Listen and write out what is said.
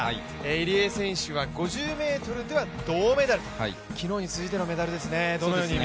入江選手は５０ｍでは銅メダル昨日に続いてのメダルですね。